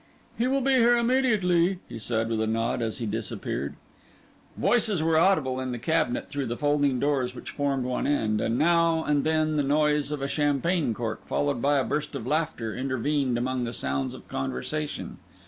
"He will be here immediately," he said, with a nod, as he disappeared. Voices were audible in the cabinet through the folding doors which formed one end; and now and then the noise of a champagne cork, followed by a burst of laughter, intervened among the sounds of conversation.